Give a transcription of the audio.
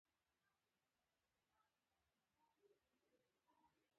رپیده د کتان له ټوټې څخه د کوچني بالښت په څېر جوړېږي.